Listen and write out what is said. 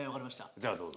じゃあどうぞ。